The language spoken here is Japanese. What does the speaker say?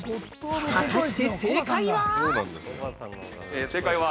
◆果たして正解は。